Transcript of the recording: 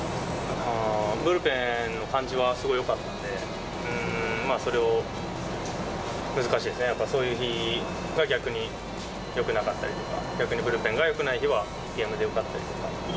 ブルペンの感じはすごいよかったので、それを難しいですね、やっぱ、そういう日は逆によくなかったりとか、逆にブルペンがよくない日はゲームでよかったりとか。